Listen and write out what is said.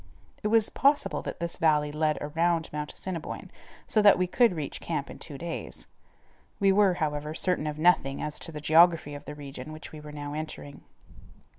It was possible that this valley led around Mount Assiniboine so that we could reach camp in two days. We were, however, certain of nothing as to the geography of the region which we were now entering.